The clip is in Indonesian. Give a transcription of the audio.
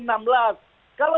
kalau memulangkan nabi brizik